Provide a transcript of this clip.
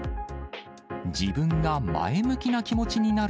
自分が前向きな気持ちになる